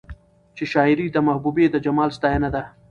چې شاعري د محبوبې د جمال ستاينه ده